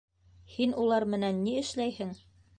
Һин улар менән ни эшләйһең?